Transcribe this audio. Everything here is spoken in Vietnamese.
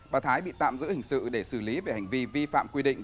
bà thái bị tạm giữ hình sự để xử lý về hành vi vi phạm quy định